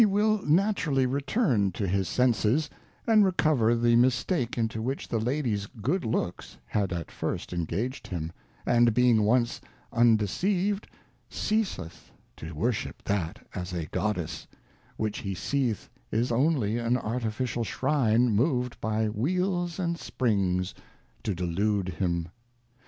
will naturally return to his Senses, and recover the Mistake into which the Lady's good Looks had at first engaged him, and being once undeceived, ceaseth to worship that as a Goddess, which he seeth is only an artificial Shrine moved by Wheels and Springs, to delude him.